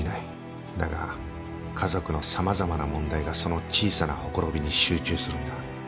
だが家族の様々な問題がその小さなほころびに集中するんだ。